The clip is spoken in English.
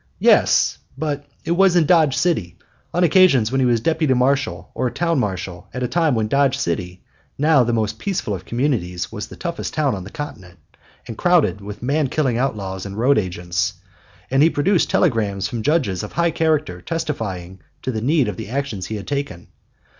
Yes, but it was in Dodge City on occasions when he was deputy marshal or town marshal, at a time when Dodge City, now the most peaceful of communities, was the toughest town on the continent, and crowded with man killing outlaws and road agents; and he produced telegrams from judges of high character testifying to the need of the actions he had taken.